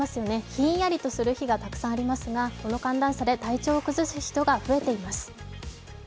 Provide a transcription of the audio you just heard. ひんやりとする日がたくさんありますが、この間断さて体調を崩す人が増えています。